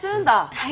はい。